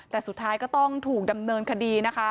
แต่สุดท้ายก็ต้องถูกดำเนินคดีนะคะ